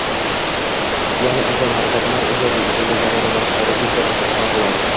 ya’ni inson harakatlari o‘sha insonga zarar emas, foyda keltirishiga xizmat qiladi.